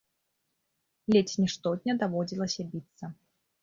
Ледзь не штодня даводзілася біцца.